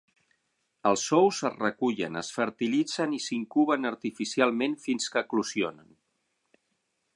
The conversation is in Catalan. Els ous es recullen, es fertilitzen i s'incuben artificialment fins que eclosionen.